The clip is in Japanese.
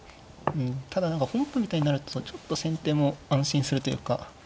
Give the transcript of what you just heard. ただ何か本譜みたいになるとちょっと先手も安心するというか。